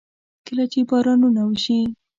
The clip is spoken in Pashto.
کله چې بارانونه وشي.